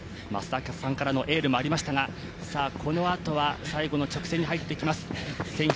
増田さんからのエールもありましたが、このあとは最後の直線に入ってきます。